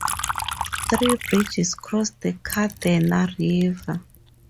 Three bridges cross the Cardener River.